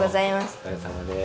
お疲れさまです。